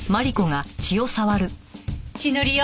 血のりよ。